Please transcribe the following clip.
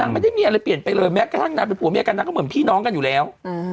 ไม่ได้มีอะไรเปลี่ยนไปเลยแม้กระทั่งนางเป็นผัวเมียกันนางก็เหมือนพี่น้องกันอยู่แล้ว